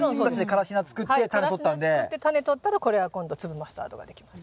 カラシナつくってタネとったらこれは今度粒マスタードができます。